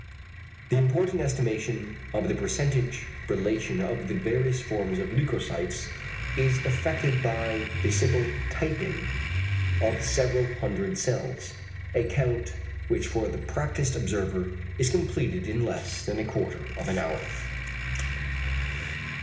The important estimation of the percentage relation of the various forms of leucocytes is effected by the simple "typing" of several hundred cells, a count which for the practised observer is completed in less than a quarter of an hour.